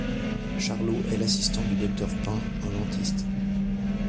Charlot est l'assistant du docteur Pain, un dentiste.